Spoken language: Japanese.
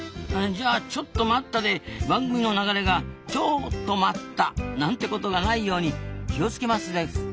じゃあ「ちょっと待った」で番組の流れが「超止まった」なんてことがないように気を付けますです。